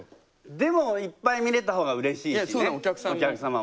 でもいっぱい見れた方がうれしいしねお客様もね。